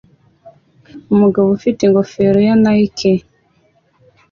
Umugabo ufite ingofero ya Nike